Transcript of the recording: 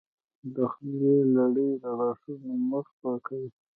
د خولې لاړې د غاښونو مخ پاکوي.